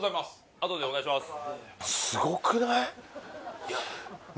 あとでお願いします